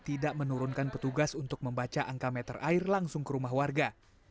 tidak menurunkan petugas untuk membaca angka meter air langsung ke rumah warga